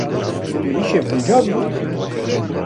Tu îşev guncav î?